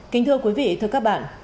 kính thưa quý vị thưa các bạn